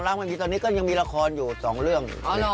ขอบังรับตอนนี้ก็ยังมีละครอยู่๒เรื่อง